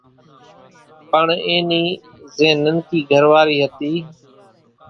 پڻ اين نِي زين ننڪي گھر واري ھتي